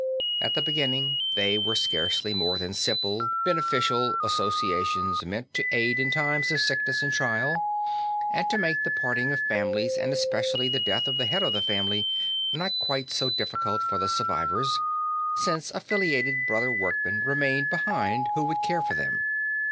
At the beginning they were scarcely more than simple beneficial associations meant to be aids in times of sickness and trial, and to make the parting of families and especially the death of the head of the family not quite so difficult for the survivors, since affiliated brother workmen remained behind who would care for them.